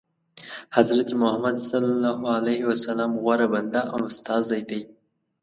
حضرت محمد صلی الله علیه وسلم غوره بنده او استازی دی.